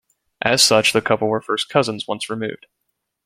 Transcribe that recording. As such, the couple were first cousins once removed.